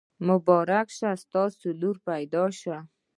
مبارک شه! ستاسو لور پیدا شوي.